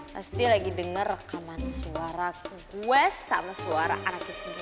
pasti lagi denger rekaman suara gue sama suara anaknya sendiri